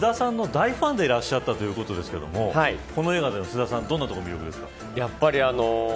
実は、菅田さんの大ファンでいらっしゃったということですけれどもこの映画は菅田さんのどんなところが魅力ですか。